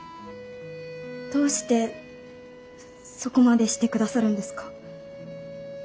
どうしてそこまでしてくださるんですか？